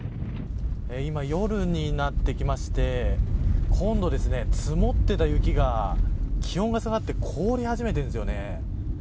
今、夜になってきまして今度ですね、積もってた雪が気温が下がって凍り始めているんですよね。